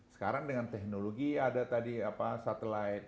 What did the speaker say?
sekarang dengan teknologi ada tadi apa satelit